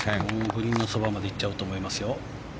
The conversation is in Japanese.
グリーンのそばまで行っちゃうと思いますよ。